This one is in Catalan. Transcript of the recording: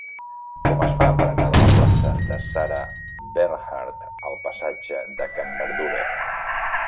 Com es fa per anar de la plaça de Sarah Bernhardt al passatge de Can Berdura?